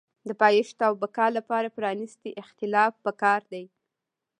د پایښت او بقا لپاره پرانیستی اختلاف پکار دی.